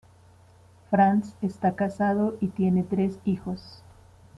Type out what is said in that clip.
Franz está casado y tiene tres hijos.